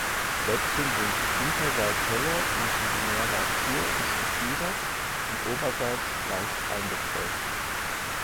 Die Blättchen sind unterseits heller und die Nervatur ist gefiedert und oberseits leicht eingeprägt.